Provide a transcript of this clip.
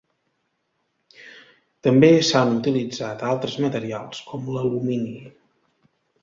També s'han utilitzat altres materials com l'alumini.